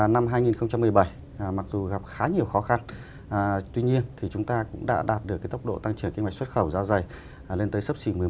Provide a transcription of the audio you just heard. năm hai nghìn một mươi bảy mặc dù gặp khá nhiều khó khăn tuy nhiên chúng ta cũng đã đạt được tốc độ tăng trưởng kinh mạch xuất khẩu da dày lên tới sấp xỉ một mươi một